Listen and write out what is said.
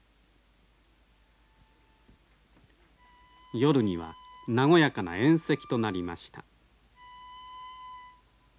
夜には和やかな宴席となりました。